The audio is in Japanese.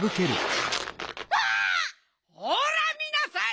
あ！ほらみなさい！